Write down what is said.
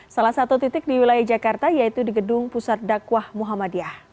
salah satu titik di wilayah jakarta yaitu di gedung pusat dakwah muhammadiyah